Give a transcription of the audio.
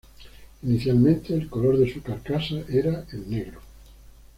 Inicialmente, el color de su carcasa era el negro.